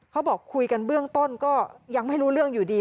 เขาบอกคุยกันเบื้องต้นก็ยังไม่รู้เรื่องอยู่ดี